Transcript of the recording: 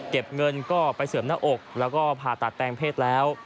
เก็บเงินก็ไปเสื่อมหน้าอกแล้วก็ผ่าตัดแปลงเพศแล้ว